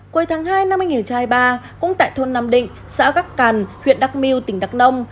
cuối tháng hai năm hai nghìn hai mươi ba cũng tại thôn nam định xã gắc cằn huyện đắc miu tỉnh đắc nông